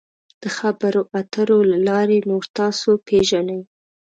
د خبرو اترو له لارې نور تاسو پیژني.